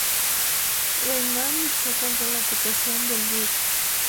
Reimann luchó contra la ocupación del Ruhr.